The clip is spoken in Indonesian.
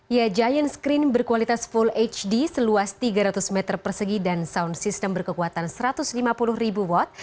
ya giant screen berkualitas full hd seluas tiga ratus meter persegi dan sound system berkekuatan satu ratus lima puluh ribu watt